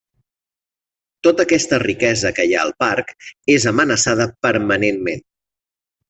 Tota aquesta riquesa que hi ha al parc és amenaçada permanentment.